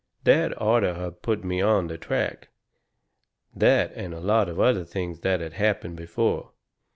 That orter of put me on the track, that and a lot of other things that had happened before.